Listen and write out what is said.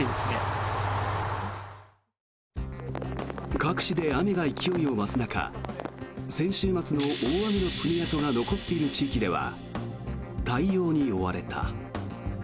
各地で雨が勢いを増す中先週末の大雨の爪痕が残っている地域では対応に追われた。